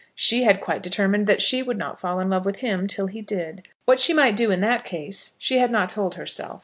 She had quite determined that she would not fall in love with him till he did. What she might do in that case she had not told herself.